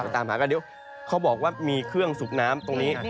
ตามหากันเดี๋ยวเขาบอกว่ามีเครื่องสูบน้ำตรงนี้